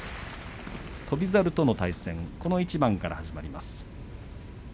翔猿との対戦この一番から始まります。